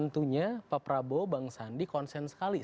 tentunya pak prabowo bang sandi konsen sekali